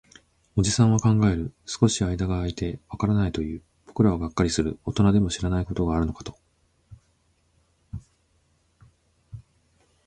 おじさんは考える。少し間が空いて、わからないと言う。僕らはがっかりする。大人でも知らないことがあるのかと。